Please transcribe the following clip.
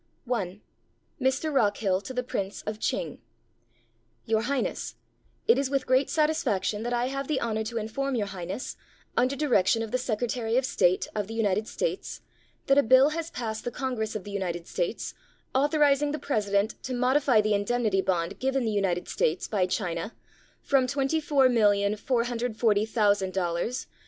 ] I MR. ROCKHILL TO THE PRINCE OF CH'iNG Your Highness :— It is with great satisfaction that I have the honor to inform Your Highness, under direction of the Secretary of State of the United States, that a bill has passed the Congress of the United States authorizing the President to modify the indemnity bond given the United States by China from $24,440,000 to $13,655,492.